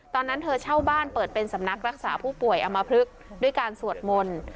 ตอนนั้นเธอเช่าบ้านเปิดเป็นสำนักรักษาผู้ป่วยอมพลึกด้วยการสวดมนต์